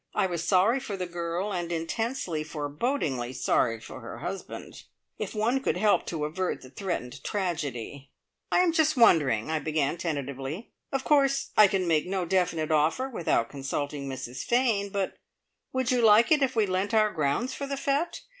I was sorry for the girl, and intensely, forebodingly sorry for her husband. If one could help to avert the threatened tragedy. "I am just wondering," I began tentatively. "Of course I can make no definite offer without consulting Mrs Fane, but would you like it if we lent our grounds for the fete?